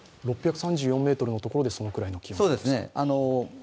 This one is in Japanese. ６３４ｍのところでそのくらいの気温。